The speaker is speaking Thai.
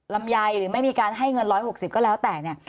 ลำไยหรือไม่มีการให้เงิน๑๖๐ก็แล้วแต่เนี่ย